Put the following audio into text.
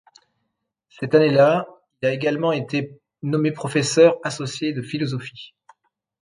Cette année-là, il a également été nommé professeur associé de philosophie.